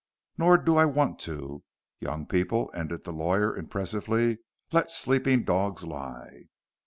Nor do I want to. Young people," ended the lawyer, impressively, "let sleeping dogs lie."